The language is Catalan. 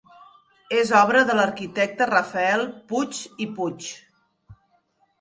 És obra de l'arquitecte Rafael Puig i Puig.